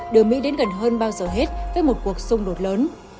đưa mỹ đến gần hơn bao giờ hết với một cuộc xung đột lớn